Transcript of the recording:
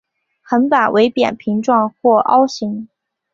横板为扁平状或凹形。